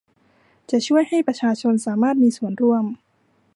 จะช่วยให้ประชาชนสามารถมีส่วนร่วม